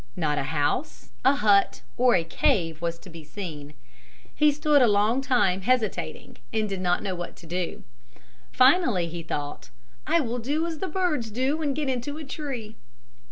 Not a house, a hut or a cave was to be seen. He stood a long time hesitating and did not know what to do. Finally he thought, "I will do as the birds do and get into a tree."